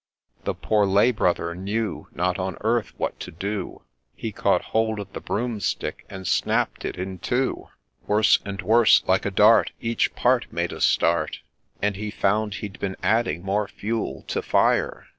The poor Lay brother knew Not on earth what to do — He caught hold of the Broomstick and snapt it in two. — 142 A LAY OF ST. DUNSTAN Worse and worse !— Like a dart Each part made a start, And he found he d been adding more fuel to fire.